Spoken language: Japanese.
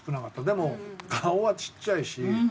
でも顔はちっちゃいし。